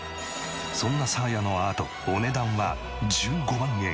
そんなサーヤのアートお値段は１５万円。